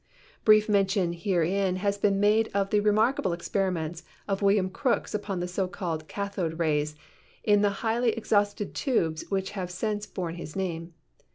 Brief mention herein has been made of the remarkable experiments of William Crookes upon the so called cathode rays in the highly exhausted tubes which have since borne his name.